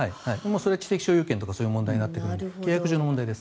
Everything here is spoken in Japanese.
それは知的所有権とかそういう問題になってくるので契約上の問題です。